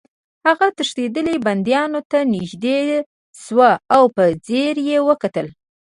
هغه تښتېدلي بندیانو ته نږدې شو او په ځیر یې وکتل